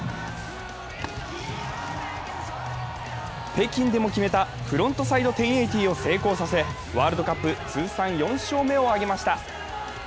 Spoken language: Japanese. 北京でも決めたフロントサイド１０８０を成功させワールドカップ通算４勝目を挙げました。